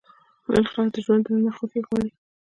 نن خلک د ژوند دننه خوښي غواړي.